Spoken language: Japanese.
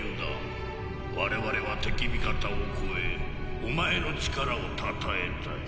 我々は敵味方を超えお前の力をたたえたい。